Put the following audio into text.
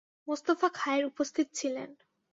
মোস্তফা খায়ের উপস্থিত ছিলেন।